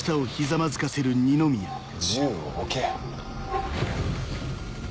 銃を置け。